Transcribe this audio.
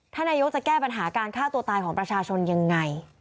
นายกจะแก้ปัญหาการฆ่าตัวตายของประชาชนยังไง